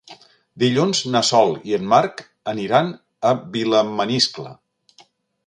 Dilluns na Sol i en Marc aniran a Vilamaniscle.